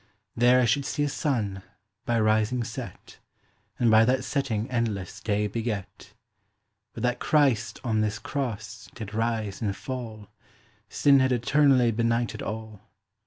There I should see a Sunne, by rising set, And by that setting endlesse day beget; But that Christ on this Crosse, did rise and fall, Sinne had eternally benighted all.